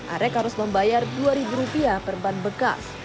arek harus membayar dua ribu rupiah per ban bekas